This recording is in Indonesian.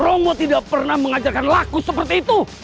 romo tidak pernah mengajarkan laku seperti itu